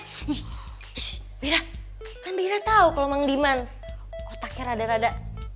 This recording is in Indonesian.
shh shh shh bira kan bira tau kalau emang diman otaknya rada rada